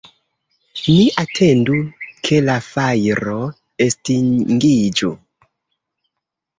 Ni atendu ke la fajro estingiĝu.